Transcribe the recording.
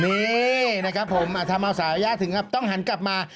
นี่นะครับผมอธรรมสายายาถึงครับต้องหันกลับมา